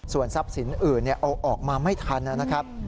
ส่วนทรัพย์สินอื่นเอาออกมาไม่ทันนะครับ